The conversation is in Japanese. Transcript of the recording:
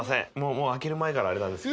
もう開ける前からアレなんです